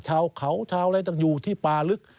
ชาวเขาชาวไรอยู่ที่ป่ารึก